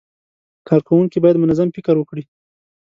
کارکوونکي باید منظم فکر وکړي.